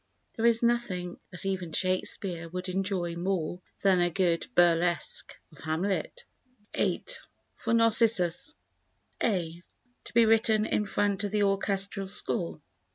There is nothing that even Shakespeare would enjoy more than a good burlesque of Hamlet. viii—For Narcissus (A) (To be written in front of the orchestral score.)